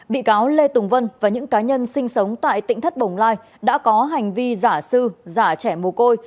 bị cáo lê tùng vân và những cá nhân sinh sống tại tỉnh thất bồng lai đã có hành vi giả sư giả trẻ mù côi